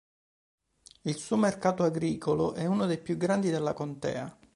Il suo mercato agricolo è uno dei più grandi della contea.